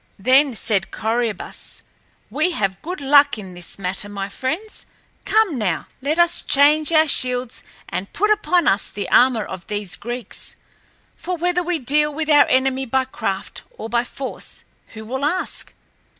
Then said Corœbus, "We have good luck in this matter, my friends. Come now, let us change our shields and put upon us the armor of these Greeks. For whether we deal with our enemy by craft or by force, who will ask?"